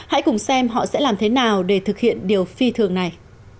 hãy cùng xem họ sẽ làm thế nào để thực hiện điều phi thường này